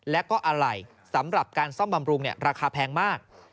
และก็อะไรสำหรับการซ่อมบำรุงราคาแพงมาก